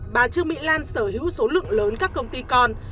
bà trương mỹ lan sở hữu số lượng lớn các công ty con